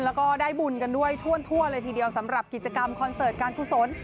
แล้วก็ได้บุญกันด้วยทั่วเลยทีเดียวสำหรับกิจกรรมคอนเสิร์ตการกุศล